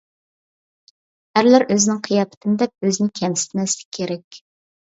ئەرلەر ئۆزىنىڭ قىياپىتىنى دەپ ئۆزىنى كەمسىتمەسلىكى كېرەك.